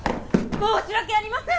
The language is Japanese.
申し訳ありません！